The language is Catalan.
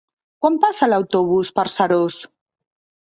Quan passa l'autobús per Seròs?